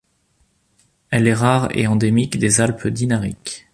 Elle est rare et endémique des Alpes Dinariques.